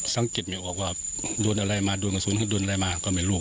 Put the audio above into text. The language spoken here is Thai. สังเกตไม่ออกว่าโดนอะไรมาโดนกระสุนโดนอะไรมาก็ไม่รู้